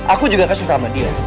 aku juga kasih sama dia